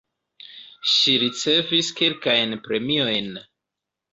Ŝi ricevis kelkajn premiojn.